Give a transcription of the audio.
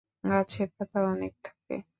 গাছে পাতা অনেক থাকে।